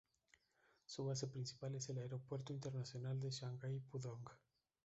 Su base principal es el Aeropuerto Internacional de Shanghái-Pudong.